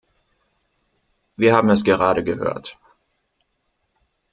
Wir haben es gerade gehört.